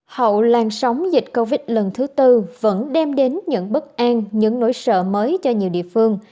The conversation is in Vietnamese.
hậu lan sóng dịch covid lần thứ tư vẫn đem đến những bất an những nỗi sợ mới cho nhiều địa phương